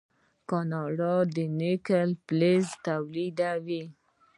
کاناډا د نکل فلز تولیدوي.